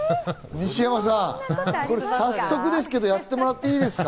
西山さん、早速ですけど、やってもらっていいですか？